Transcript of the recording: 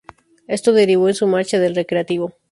Esto derivó en su marcha del Recreativo.